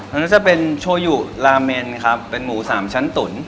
อันนี้จะเป็นโชยุลาเมนครับเป็นหมูสามชั้นตุ๋น